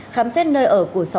khám xét nơi ở của sáu đối tượng